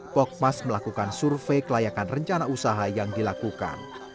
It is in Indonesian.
pokmas melakukan survei kelayakan rencana usaha yang dilakukan